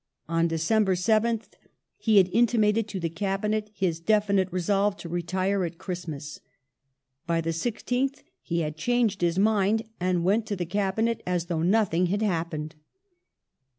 On December 7th he had intimated to the Cabinet his definite resolve to retire at Christmas. By the 16th he had changed his mind, and went to the Cabinet as though nothing had happened.